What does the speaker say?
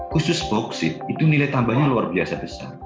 khusus bauksit itu nilai tambahnya luar biasa besar